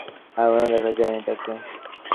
এখনও দেখা যায়নি তাকে।